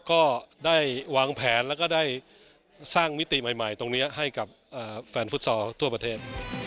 ก็ได้วางแผนแล้วก็ได้สร้างมิติใหม่ตรงนี้ให้กับแฟนฟุตซอลทั่วประเทศ